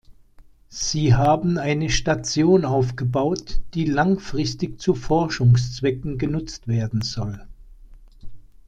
Sie haben eine Station aufgebaut, die langfristig zu Forschungszwecken genutzt werden soll.